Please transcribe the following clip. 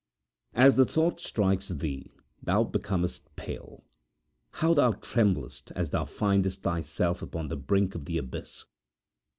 As the thought strikes thee thou becomest pale. How thou tremblest as thou findest thyself upon the brink of the abyss!